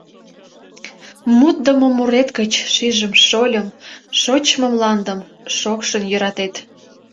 Мутдымо мурет гыч шижым, шольым: Шочмо мландым шокшын йӧратет!